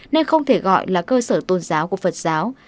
nên không thể gọi là cơ sở tôn giáo của phật giáo